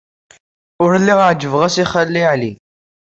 Ur lliɣ ɛejbeɣ-as i Xali Ɛli.